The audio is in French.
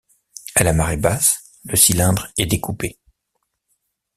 À la marée basse, le cylindre est découpé.